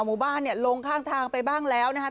หมู่บ้านลงข้างทางไปบ้างมีแล้วนะคะ